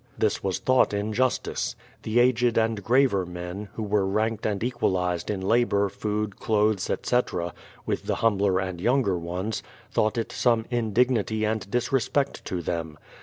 This w^as thought injustice. The aged and graver men, who were ranked and equalized in labour, food, clothes, etc., with the humbler and younger ones, thought it some indignity and disrespect to them.